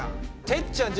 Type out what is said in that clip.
てっちゃん